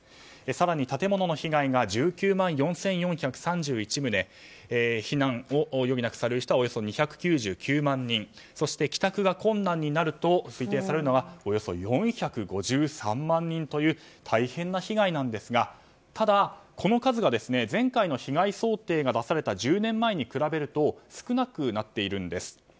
更に、建物の被害が１９万４４３１棟避難を余儀なくされる人はおよそ２９９万人そして、帰宅が困難になると推定されるのがおよそ４５３万人という大変な被害なんですがただ、この数が前回の被害想定が出された１０年前に比べると少なくなっているんです。